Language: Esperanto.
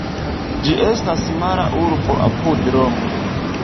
Ĝi estas mara urbo apud Romo.